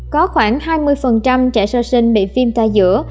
có khoảng hai mươi trẻ sơ sinh bị phim ta dữa